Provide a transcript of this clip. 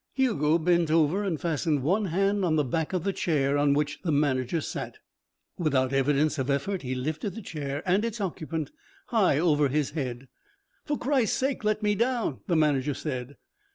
Hugo bent over and fastened one hand on the back of the chair on which the manager sat. Without evidence of effort he lifted the chair and its occupant high over his head. "For Christ's sake, let me down," the manager said.